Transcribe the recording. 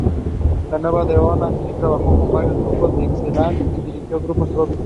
En Nueva Orleans Hirt trabajó con varios grupos Dixieland y dirigió grupos propios.